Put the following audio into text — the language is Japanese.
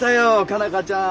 佳奈花ちゃん。